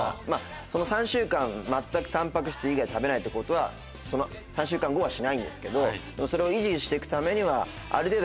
３週間全くタンパク質以外食べないってことはその３週間後はしないんですけどそれを維持して行くためには。